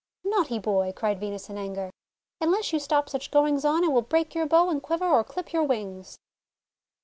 >( Naughty boy !" cried Venus in anger. " Unless you stop such goings on, I will break your bow and quiver, or clip your wings."